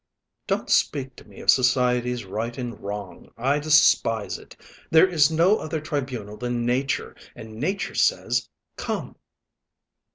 Don't speak to me of society's right and wrong! I despise it. There is no other tribunal than Nature, and Nature says 'Come.'"